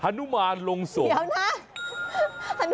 ฮนุมานลงสงฆ์เดี๋ยวนะ